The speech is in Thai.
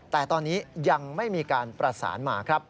แต่ตอนนี้ยังไม่มีการประสานมาครับ